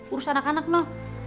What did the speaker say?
urus anak anak lu